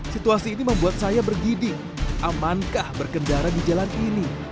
situasi ini membuat saya bergidik aman kah berkendara di jalan ini